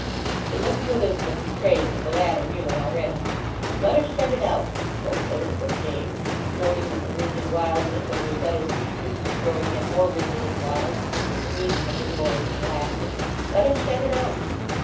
The look of Elizabeth betrayed that the latter knew it already. "Let us shut it out," coaxed Elizabeth Jane, noting that the rigid wildness of Lucetta's features was growing yet more rigid and wild with the meaning of the noise and laughter. "Let us shut it out!"